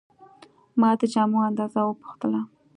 ما د جامو اندازه وپوښتله.